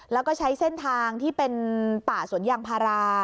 แล้วก็ใช้เส้นทางที่เป็นป่าสวนยางพารา